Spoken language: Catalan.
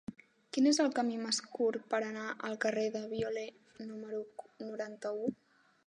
Quin és el camí més curt per anar al carrer del Violer número noranta-u?